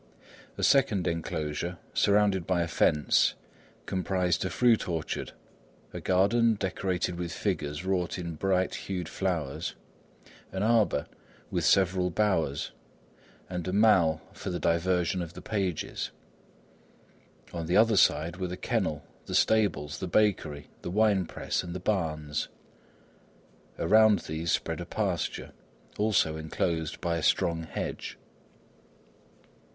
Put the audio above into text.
A second enclosure, surrounded by a fence, comprised a fruit orchard, a garden decorated with figures wrought in bright hued flowers, an arbour with several bowers, and a mall for the diversion of the pages. On the other side were the kennel, the stables, the bakery, the wine press and the barns. Around these spread a pasture, also enclosed by a strong hedge.